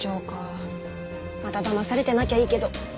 まただまされてなきゃいいけど。